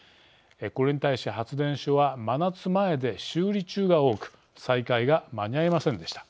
これに対し、発電所は真夏前で修理中が多く再開が間に合いませんでした。